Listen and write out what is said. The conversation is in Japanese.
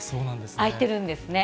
空いてるんですね。